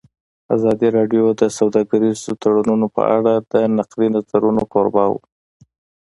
ازادي راډیو د سوداګریز تړونونه په اړه د نقدي نظرونو کوربه وه.